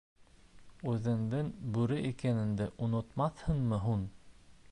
— Үҙеңдең бүре икәненде онотмаҫһыңмы һуң?